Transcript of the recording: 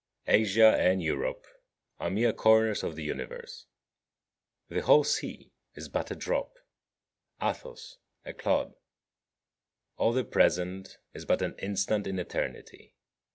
36. Asia and Europe are mere corners of the Universe: the whole sea is but a drop, Athos a clod. All the present is but an instant in eternity.